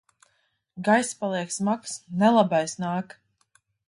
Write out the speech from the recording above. Gaiss paliek smags. Nelabais nāk!